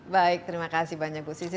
baik terima kasih banyak bu size